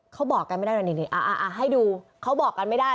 เขาบอกกันไม่ได้หน่อยหน่อยอะอะอะให้ดูเขาบอกกันไม่ได้